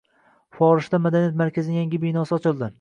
Forishda madaniyat markazining yangi binosi ochildi